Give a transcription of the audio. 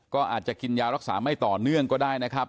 ก็อาจจะกินยารักษาไม่ต่อเนื่องก็ได้นะครับ